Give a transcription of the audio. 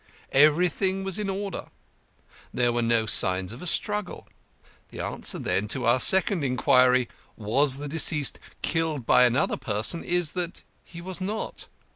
Everything was in order. There were no signs of a struggle. The answer, then, to our second inquiry, Was the deceased killed by another person? is, that he was not.